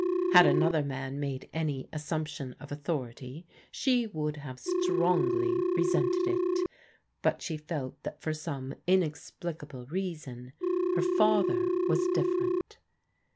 Had another man made any assumption of authority she would have strongly re sented it, but she felt that for some inexplicable reason, her father was different.